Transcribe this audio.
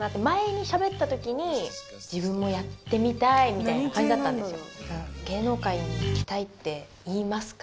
みたいな感じだったんですよ。